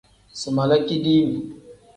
Si mala kidim.